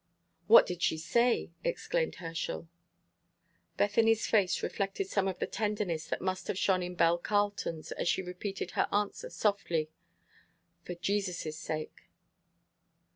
'" "What did she say?" exclaimed Herschel. Bethany's face reflected some of the tenderness that must have shone in Belle Carleton's, as she repeated her answer softly, "For Jesus' sake!"